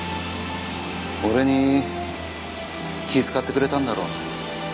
俺に気ぃ使ってくれたんだろう。